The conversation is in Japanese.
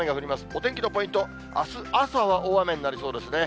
お天気のポイント、あす朝は大雨になりそうですね。